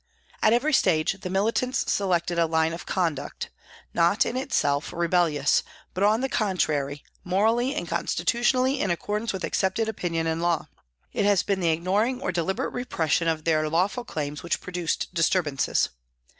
At every stage the militants selected a line of conduct, not in itself rebellious, but on the contrary, morally and constitutionally in accordance with accepted opinion and law. It has been the ignoring or deliberate repression of their lawful claims which produced disturbances.